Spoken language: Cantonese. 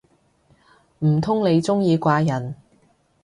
唔通你鍾意怪人